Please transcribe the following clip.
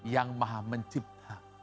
yang maha mencipta